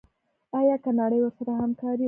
آیا که نړۍ ورسره همکاري وکړي؟